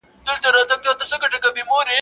o عمر د سپي راباندي تېر سو، حساب د سړي راسره کوي.